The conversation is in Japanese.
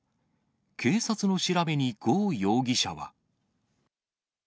警察の調べに呉容疑者は。